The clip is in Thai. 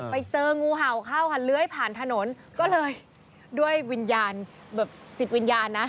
ไปเจองูเห่าเข้าค่ะเลื้อยผ่านถนนก็เลยด้วยวิญญาณแบบจิตวิญญาณนะ